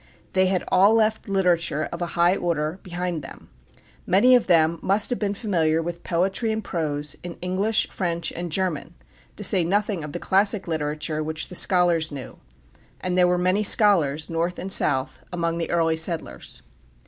They had all left literature of a high order behind them. Many of them must have been familiar with poetry and prose in English, French, and German, to say nothing of the classic literature which the scholars knew; and there were many scholars, north and south, among the early settlers.